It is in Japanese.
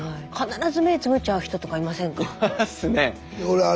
必ず目つむっちゃう人とかいませんか？